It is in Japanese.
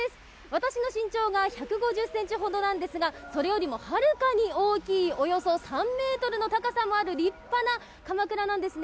私の身長が１５０ｃｍほどなんですがそれよりもはるかに大きいおよそ３ｍの高さのある立派なかまくらなんですね。